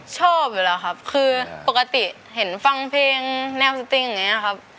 ชอบอยู่แล้วครับคือปกติเห็นฟังเพลงแนวสติงอย่างนี้ครับ